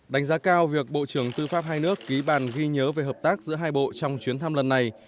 đánh giá cao việc bộ trưởng tư pháp hai nước ký bản ghi nhớ về hợp tác giữa hai bộ trong chuyến thăm lần này